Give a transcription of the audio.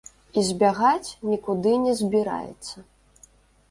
І збягаць нікуды не збіраецца.